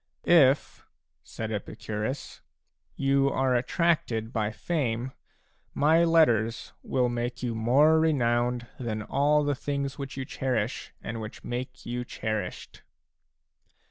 " If," said Epicurus, "you are attracted by fame, my letters will make you more renowned than all the things which you cherish and which make you cherished."